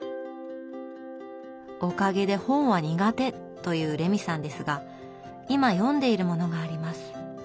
おかげで本は苦手というレミさんですが今読んでいるものがあります。